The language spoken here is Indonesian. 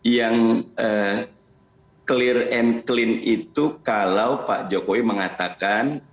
yang clear and clean itu kalau pak jokowi mengatakan